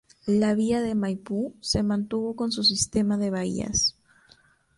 La vía de Maipú se mantuvo con su sistema de bahías.